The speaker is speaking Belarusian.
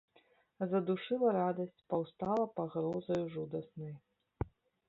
Задушыла радасць, паўстала пагрозаю жудаснай.